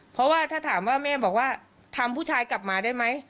เพราะว่าถ้าถามว่าแม่บอกว่าทำผู้ชายกลับมาได้ไหม